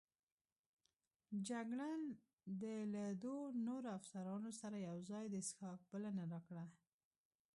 جګړن د له دوو نورو افسرانو سره یوځای د څښاک بلنه راکړه.